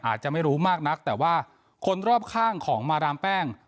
อาจจะไม่รู้มากนักแต่ว่าคนรอบข้างของมาดามแป้ง